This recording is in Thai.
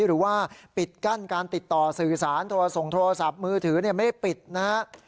หรือว่าปิดกั้นการติดต่อสื่อสารส่งโทรศัพท์มือถือไม่ได้ปิดนะฮะ